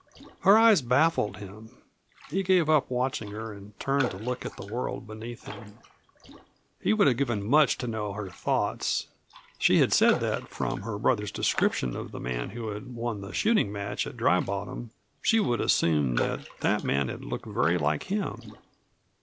Her eyes baffled him. He gave up watching her and turned to look at the world beneath him. He would have given much to know her thoughts. She had said that from her brother's description of the man who had won the shooting match at Dry Bottom she would assume that that man had looked very like him.